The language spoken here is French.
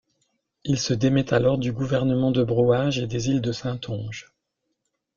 Il se démet alors du gouvernement de Brouage et des îles de Saintonge.